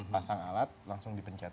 pasang alat langsung dipencet